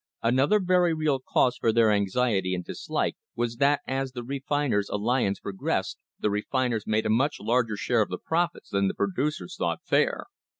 Another very real cause for their anxiety and dislike was that as the refiners' alliance progressed the refiners made a much larger share of the profits than the producers thought fair.